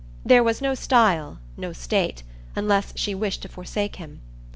There was no style, no state, unless she wished to forsake him.